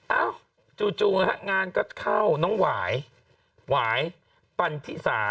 เอ้ากรุงฟังได้เป็นปันธิสา